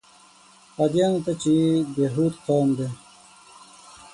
عادیانو ته چې د هود قوم دی.